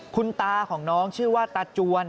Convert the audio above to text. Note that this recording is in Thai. คุณตาของน้องชื่อว่าตาจวน